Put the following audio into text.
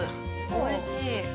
おいしい！